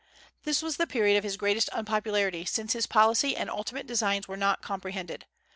This was the period of his greatest unpopularity, since his policy and ultimate designs were not comprehended.